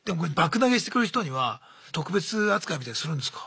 投げしてくる人には特別扱いみたいのするんですか？